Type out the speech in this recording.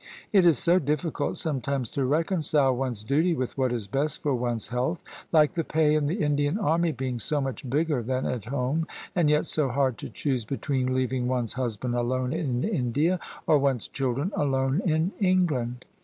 It is so difficult sometimes to reconcile one's duty with what is best for one's health, like the pay in the Indian army being so much bigger than at home, and yet so hard to choose between leaving one's husband alone in India or one's children alone in England.